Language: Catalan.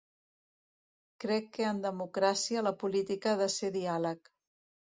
Crec que en democràcia la política ha de ser diàleg.